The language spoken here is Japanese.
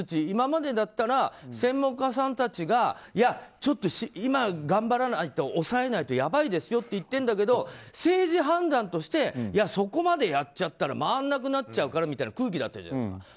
今までだったら専門家さんたちがちょっと今頑張らないと抑えないとやばいですよって言ってるけど政治判断としてそこまでやっちゃったら回らなくなっちゃうからみたいな空気だったじゃないですか。